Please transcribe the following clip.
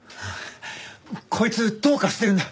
こいつどうかしてるんだ。